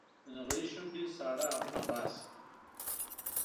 د نغري شوندې ساړه اهونه باسي